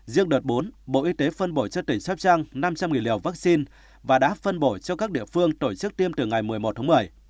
riêng đợt bốn bộ y tế phân bổ cho tỉnh sắp trăng năm trăm linh liều vaccine và đã phân bổ cho các địa phương tổ chức tiêm từ ngày một mươi một tháng một mươi